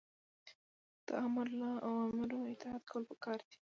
د آمر له اوامرو اطاعت کول پکار دي.